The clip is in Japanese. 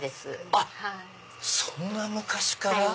あっそんな昔から！